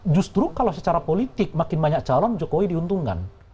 justru kalau secara politik makin banyak calon jokowi diuntungkan